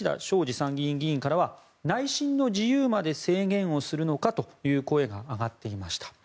参議院議員からは内心の自由まで制限をするのかという声が上がっていました。